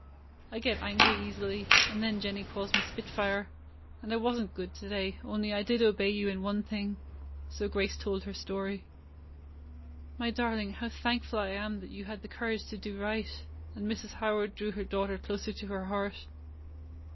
get angry easily, and then Jennie calls me spitfire. And I was n't good to day, only I did obey you in one thing." So Grace told her story. ''My darling, how thankful I am that you had the courage to do right;" and Mrs. How ard drew her daughter closer to her heart.